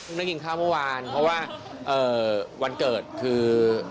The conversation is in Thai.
ได้กินข้าวเมื่อวานเพราะว่าวันเกิดคือ